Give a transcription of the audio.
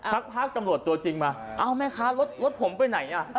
สักพักตำรวจตัวจริงมาเอ้าแม่ค้ารถผมไปไหนอ่ะ